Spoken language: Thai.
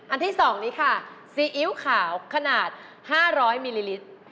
ที่๒นี้ค่ะซีอิ๊วขาวขนาด๕๐๐มิลลิลิตร